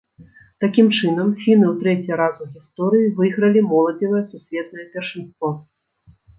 Такім чынам, фіны ў трэці раз у гісторыі выйгралі моладзевае сусветнае першынство.